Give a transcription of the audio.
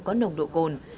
không có nồng độ cồn